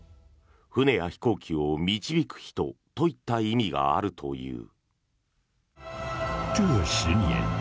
船や飛行機を導く人といった意味があるという。